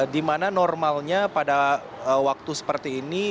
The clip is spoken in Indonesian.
di mana normalnya pada waktu seperti ini